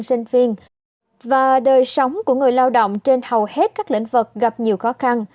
sinh viên và đời sống của người lao động trên hầu hết các lĩnh vực gặp nhiều khó khăn